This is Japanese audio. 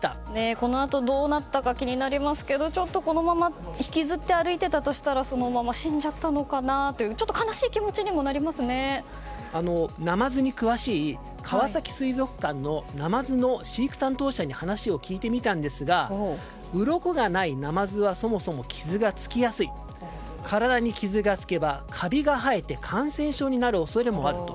このあとどうなったか気になりますけどこのまま引きずって歩いていたとしたらそのまま死んじゃったのかなとちょっと悲しい気持ちにもナマズに詳しい川崎水族館のナマズの飼育担当者に話を聞いてみたんですがうろこがないナマズはそもそも傷がつきやすい体に傷がつけば、カビが生えて感染症になる恐れもある。